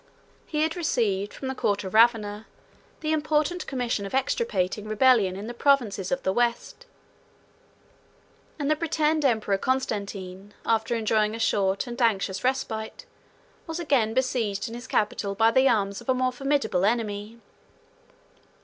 He had received from the court of Ravenna the important commission of extirpating rebellion in the provinces of the West; and the pretended emperor Constantine, after enjoying a short and anxious respite, was again besieged in his capital by the arms of a more formidable enemy.